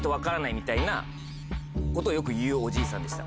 みたいなことをよく言うおじいさんでした。